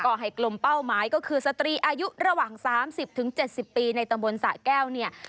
ก็ให้กลมเป้าหมายก็คือสตรีอายุระหว่าง๓๐๗๐ปีในตำบลสะแก้วเนี่ย